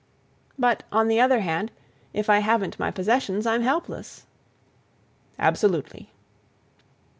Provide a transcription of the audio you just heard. "But, on the other hand, if I haven't my possessions, I'm helpless!" "Absolutely."